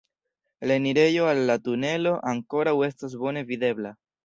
La enirejo al la tunelo ankoraŭ estas bone videbla.